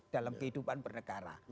dalam kehidupan bernegara